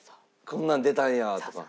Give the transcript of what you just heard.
こんなん出たんやとか。